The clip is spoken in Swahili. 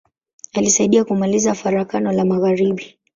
Alisaidia kumaliza Farakano la magharibi.